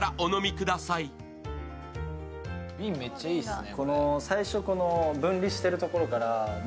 瓶、めっちゃいですね。